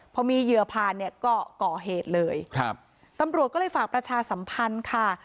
พอมีเหยื่อผ่านเนี่ยก็ก่อเหตุเลยครับตำรวจก็เลยฝากประชาสัมพันธ์ค่ะ